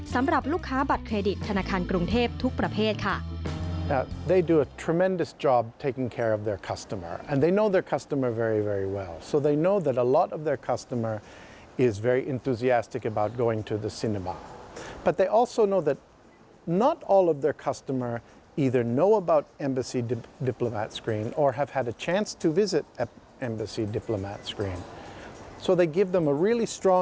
สำหรับลูกค้าบัตรเครดิตธนาคารกรุงเทพทุกประเภทค่ะ